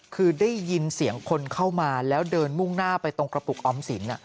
คือได้ยินเสียงคนเข้ามาแล้วเดินมุ่งหน้าไปตรงกระปุกออมสิน